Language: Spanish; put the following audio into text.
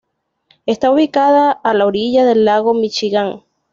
Está ubicada a la orilla del lago Míchigan.